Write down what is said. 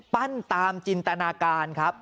ตามจินตนาการครับ